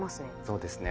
そうですね。